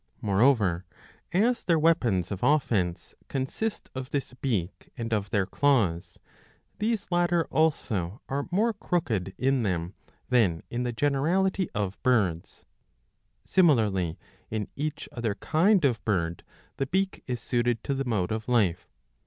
Moreover, as their weapons of offence consist of this beak and of their claws, these latter also are more crooked in them than in the generality of birds. Similarly in each other kind of bird the beak is suited to the mode of life.